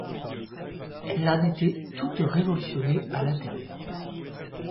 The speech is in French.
Elle en était toute révolutionnée à l'intérieur.